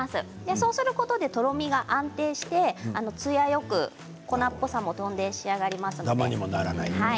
そうすることでとろみが安定してつやよく粉っぽさもとんで仕上がりますので。